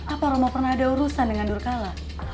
apa romo pernah ada urusan dengan durkala